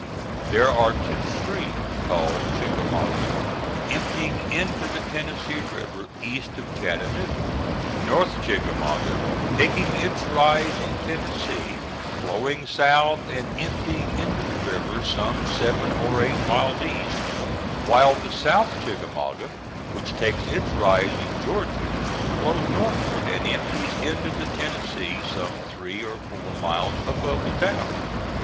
There are two streams called Chickamauga emptying into the Tennessee River east of Chattanooga North Chickamauga, taking its rise in Tennessee, flowing south, and emptying into the river some seven or eight miles east; while the South Chickamauga, which takes its rise in Georgia, flows northward, and empties into the Tennessee some three or four miles above the town.